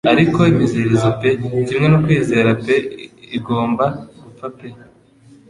Ariko imiziririzo pe kimwe no kwizera pe igomba gupfa pe